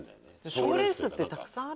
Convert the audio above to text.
賞レースたくさんある。